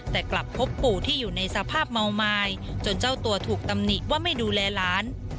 แต่กลับพบปู่ที่อยู่ในสภาพเมาไม้จนเจ้าตัวถูกตำหนิว่าไม่ดูแลหลาน